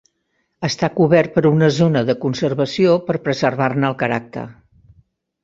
Està cobert per una zona de conservació per preservar-ne el caràcter.